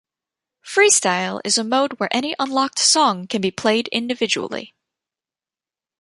"Freestyle" is a mode where any unlocked song can be played individually.